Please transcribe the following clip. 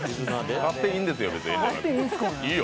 勝っていいんですよ。